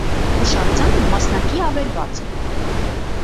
Հուշարձանը մասնակի ավերված է։